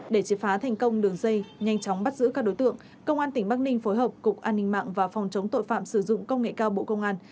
để chế phá thành công đường dây nhanh chóng bắt giữ các đối tượng công an tỉnh bắc ninh phối hợp cục an ninh mạng và phòng chống tội phạm sử dụng công nghệ cao bộ công an